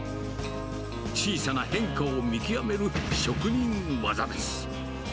小さな変化を見極める職人技です。